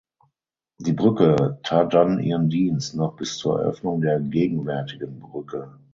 Die Brücke tat dann ihren Dienst noch bis zur Eröffnung der gegenwärtigen Brücke.